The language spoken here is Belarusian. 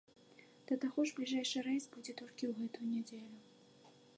Да таго ж бліжэйшы рэйс будзе толькі ў гэтую нядзелю.